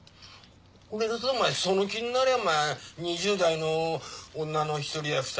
俺だってお前その気になりゃお前２０代の女の１人や２人。